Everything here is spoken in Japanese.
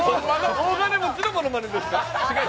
大金持ちのものまねですか。